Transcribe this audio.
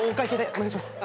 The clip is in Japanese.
お願いします。